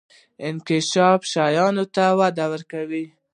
انکشاف شیانو ته وده ورکوي.